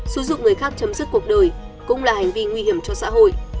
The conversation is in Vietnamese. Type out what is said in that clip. xứ dục người khác chấm dứt cuộc đời cũng là hành vi nguy hiểm cho xã hội